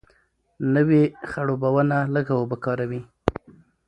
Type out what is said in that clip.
نوې خړوبونه لږه اوبه کاروي.